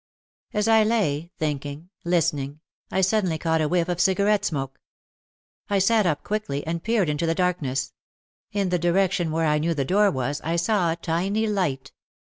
As I lay thinking, listening, I suddenly caught a whiff of cigarette smoke. I sat up quickly and peered into the darkness. In the direction where I knew the door was I saw a tiny light.